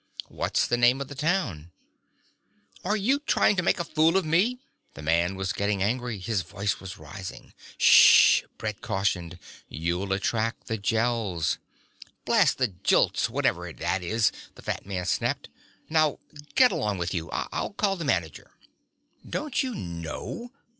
"What's the name of the town?" "Are you trying to make a fool of me?" The fat man was getting angry. His voice was rising. "Shhh," Brett cautioned. "You'll attract the Gels." "Blast the Jilts, whatever that is!" the fat man snapped. "Now, get along with you. I'll call the manager." "Don't you know?"